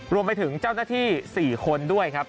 รวมไปถึงเจ้าหน้าที่๔คนด้วยครับ